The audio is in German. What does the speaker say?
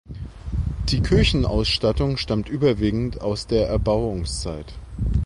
Die Kirchenausstattung stammt überwiegend aus der Erbauungszeit.